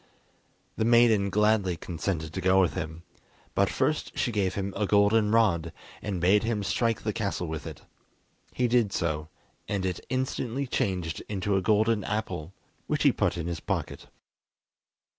The maiden gladly consented to go with him, but first she gave him a golden rod, and bade him strike the castle with it. He did so, and it instantly changed into a golden apple, which he put in his pocket.